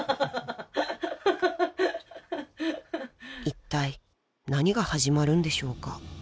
［いったい何が始まるんでしょうか？］